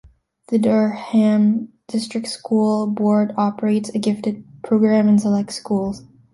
The Durham District School Board operates a gifted program in select schools.